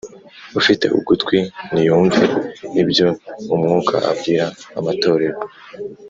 “Ufite ugutwi niyumve ibyo Umwuka abwira amatorero.